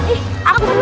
ih aku dulu ya